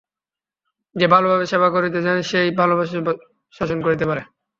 যে ভালভাবে সেবা করিতে জানে, সে-ই ভালভাবে শাসন করিতে পারে।